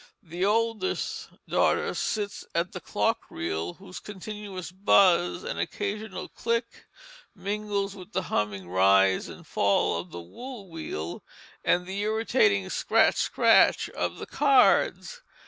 The oldest daughter sits at the clock reel, whose continuous buzz and occasional click mingles with the humming rise and fall of the wool wheel, and the irritating scratch, scratch, of the cards.